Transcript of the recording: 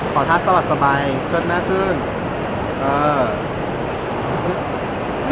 ขอทัศน์สวัสดิ์สบายเชิญหน้าขึ้น